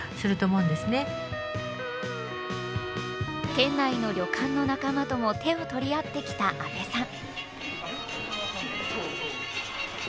県内の旅館の仲間とも手を取り合ってきた阿部さん